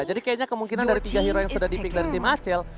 jadi kayaknya kemungkinan dari tiga hero yang sudah di pick dari tim acel